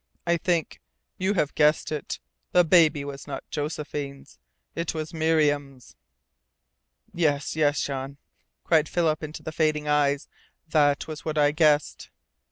I think you have guessed it. The baby was not Josephine's. IT WAS MIRIAM'S!" "Yes, yes, Jean!" cried Philip into the fading eyes. "That was what I guessed!"